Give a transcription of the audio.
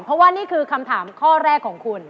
เพราะว่านี่คือคำถามข้อแรกของคุณ